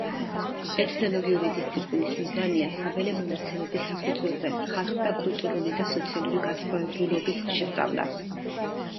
ეთნოლოგიური დისციპლინის მიზანია საველე მონაცემების საფუძველზე ხალხთა კულტურული და სოციალური განსხვავებულობის შესწავლა.